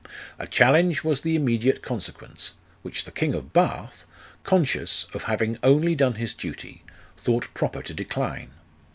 A challenge was the immediate consequence, which the king of Bath, conscious of having only done his duty, thought proper to decline.